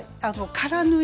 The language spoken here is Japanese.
空縫い？